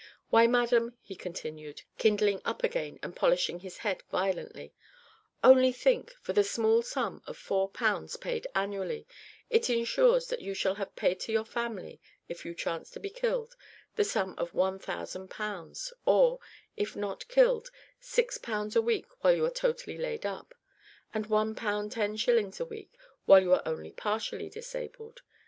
"Why, madam," he continued, kindling up again and polishing his head violently, "only think, for the small sum of 4 pounds paid annually, it insures that you shall have paid to your family, if you chance to be killed, the sum of 1000 pounds, or, if not killed, 6 pounds a week while you are totally laid up, and 1 pound, 10 shillings a week while you are only partially disabled.